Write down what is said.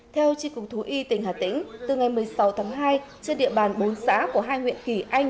theo tri cục thú y tỉnh hà tĩnh từ ngày một mươi sáu tháng hai trên địa bàn bốn xã của hai huyện kỳ anh